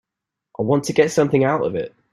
I want to get something out of it.